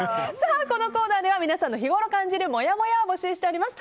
このコーナーでは皆さんの日ごろ感じるもやもやを募集しております。